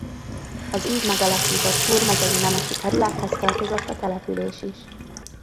Az így megalakított Túrmezei nemesi kerülethez tartozott a település is.